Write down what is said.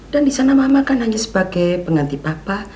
dan disana mama kan hanya sebagai pengganti bapak